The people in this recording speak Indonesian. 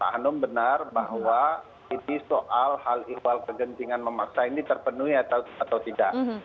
hanum benar bahwa ini soal hal ikhwal kegentingan memaksa ini terpenuhi atau tidak